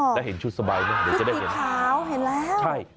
อ๋อได้เห็นชุดสบายภัทรีขาวเห็นแล้ว